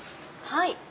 はい。